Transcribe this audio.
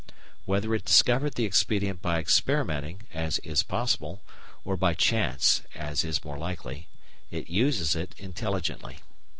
Whether it discovered the expedient by experimenting, as is possible, or by chance, as is more likely, it uses it intelligently.